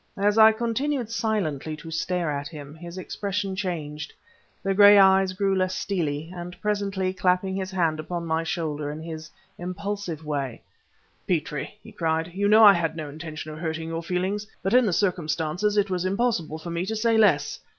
As I continued silently to stare at him, his expression changed; the gray eyes grew less steely, and presently, clapping his hand upon my shoulder in his impulsive way "Petrie!" he cried, "you know I had no intention of hurting your feelings, but in the circumstances it was impossible for me to say less."